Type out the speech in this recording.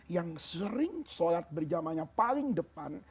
yang sering sholat berjamaahnya paling depan